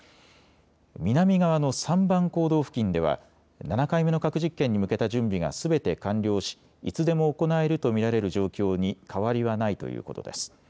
南側の３番坑道付近では７回目の核実験に向けた準備がすべて完了し、いつでも行えると見られる状況に変わりはないということです。